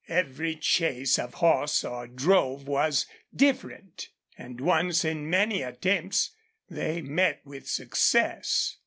Every chase of horse or drove was different; and once in many attempts they met with success.